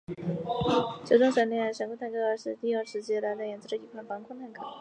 球状闪电防空坦克是纳粹德国在第二次世界大战后期研制的一款防空坦克。